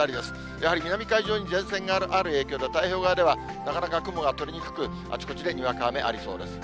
やはり南海上に前線がある影響で、太平洋側では、なかなか雲が取れにくく、あちこちでにわか雨、ありそうです。